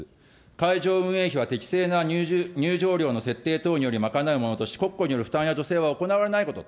会場運営費は適正な入場料の設定等により賄うものとし、国庫による負担や助成は行われないことと。